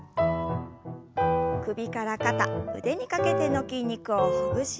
首から肩腕にかけての筋肉をほぐしながら軽く。